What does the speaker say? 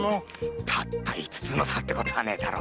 たった五つの差ってことはねえだろ。